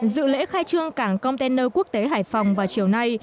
dự lễ khai trương cảng container quốc tế hải phòng vào chiều nay